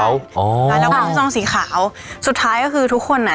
อ๋อแล้วก็มันเป็นซองสีขาวสุดท้ายก็คือทุกคนอ่ะ